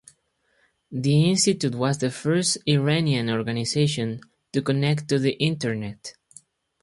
The institute was the first Iranian organization to connect to the Internet.